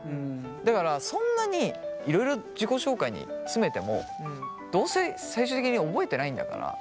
だからそんなにいろいろ自己紹介に詰めてもどうせ最終的に覚えてないんだから。